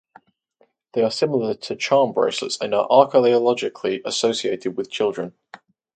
They are similar to charm bracelets and are archaeologically associated with children.